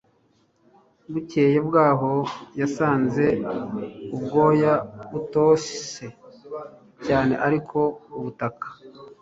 Bukeye bwaho yasanze ubwoya butose cyane ariko ubutaka